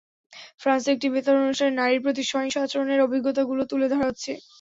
ফ্রান্সে একটি বেতার অনুষ্ঠানে নারীর প্রতি সহিংস আচরণের অভিজ্ঞতাগুলো তুলে ধরা হচ্ছে।